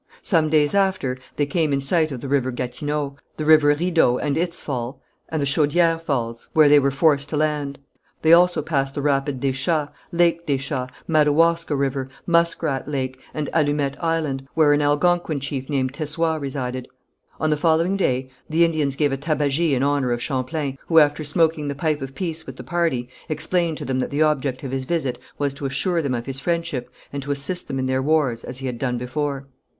Some days after they came in sight of the river Gatineau, the river Rideau and its fall, and the Chaudière Falls, where they were forced to land. They also passed the rapid des Chats, Lake des Chats, Madawaska River, Muskrat Lake, and Allumette Island, where an Algonquin chief named Tessoüat resided. On the following day the Indians gave a tabagie in honour of Champlain, who after smoking the pipe of peace with the party, explained to them that the object of his visit was to assure them of his friendship, and to assist them in their wars, as he had done before.